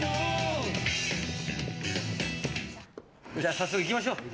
早速行きましょう。